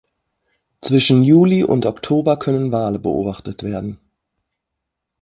Zwischen Juli und Oktober können Wale beobachtet werden.